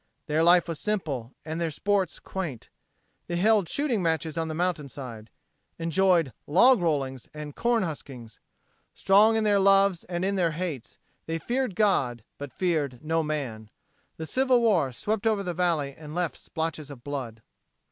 Their life was simple, and their sports quaint. They held shooting matches on the mountainside, enjoyed "log rollings" and "corn huskings." Strong in their loves and in their hates, they feared God, but feared no man. The Civil War swept over the valley and left splotches of blood.